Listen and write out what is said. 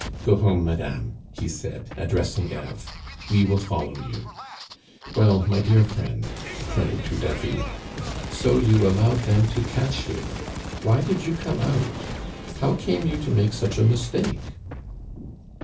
"Go home, madame," he said, addressing Eve, "we will follow you. Well, my dear friend" (turning to David), "so you allowed them to catch you! Why did you come out? How came you to make such a mistake?"